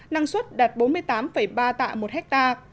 năng suất đạt bốn mươi tám ba tạ một hectare